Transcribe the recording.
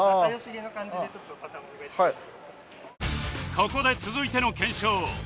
ここで続いての検証